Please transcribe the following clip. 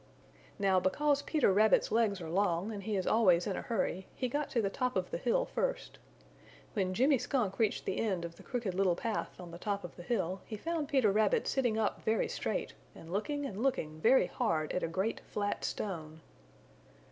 Now because Peter Rabbit's legs are long and he is always in a hurry, he got to the top of the hill first. When Jimmy Skunk reached the end of the Crooked Little Path on the top of the hill he found Peter Rabbit sitting up very straight and looking and looking very hard at a great flat stone.